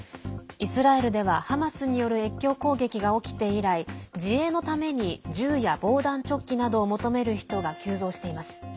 イスラエルではハマスによる越境攻撃が起きて以来自衛のために銃や防弾チョッキなどを求める人が急増しています。